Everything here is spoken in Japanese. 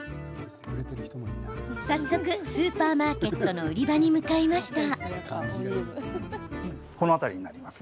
早速スーパーマーケットの売り場に向かいました。